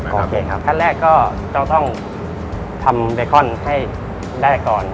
โอเคครับขั้นแรกก็ต้องทำเบคอนให้ได้ก่อน